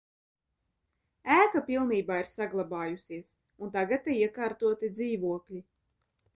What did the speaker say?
Ēka pilnībā ir saglabājusies, un tagad te iekārtoti dzīvokļi.